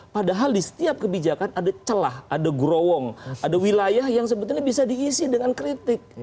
padahal di setiap kebijakan ada celah ada gerowong ada wilayah yang sebetulnya bisa diisi dengan kritik